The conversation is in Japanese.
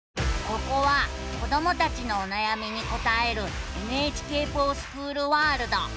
ここは子どもたちのおなやみに答える「ＮＨＫｆｏｒＳｃｈｏｏｌワールド」。